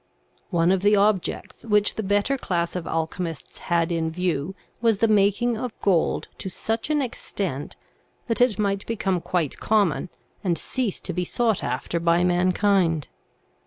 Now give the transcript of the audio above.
One of the objects which the better class of alchemists had in view was the making of gold to such an extent that it might become quite common and cease to be sought after by mankind.